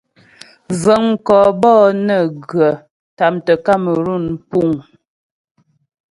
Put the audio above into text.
Vəŋ mkɔ bɔ'ɔ nə́ghə tâmtə Kamerun puŋ.